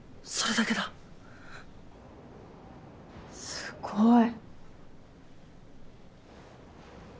すごい。